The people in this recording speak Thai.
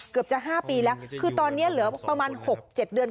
เกือบจะ๕ปีแล้วคือตอนนี้เหลือประมาณ๖๗เดือน